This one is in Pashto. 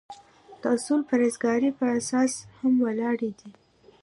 دا اصول د پرهیزګارۍ په اساس هم ولاړ دي.